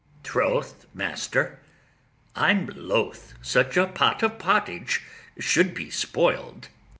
ITHAMORE. Troth, master, I'm loath such a pot of pottage should be spoiled.